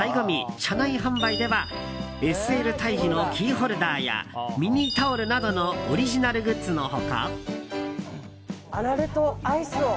車内販売では「ＳＬ大樹」のキーホルダーやミニタオルなどのオリジナルグッズの他。